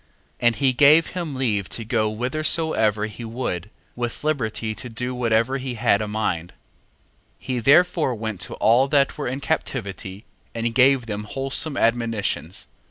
And he gave him leave to go whithersoever he would, with liberty to do whatever he had a mind. 1:15. He therefore went to all that were in captivity, and gave them wholesome admonitions. 1:16.